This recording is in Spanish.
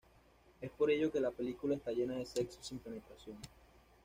Es por ello que la película está llena de sexo sin penetración.